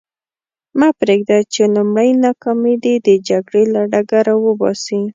مه پرېږده چې لومړۍ ناکامي دې د جګړې له ډګر وباسي.